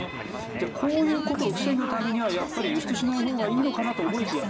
じゃあこういうことを防ぐためには輸出しないほうがいいのかなと思いきや